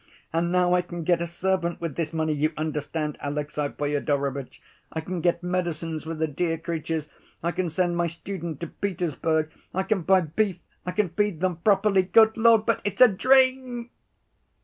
And now I can get a servant with this money, you understand, Alexey Fyodorovitch, I can get medicines for the dear creatures, I can send my student to Petersburg, I can buy beef, I can feed them properly. Good Lord, but it's a dream!"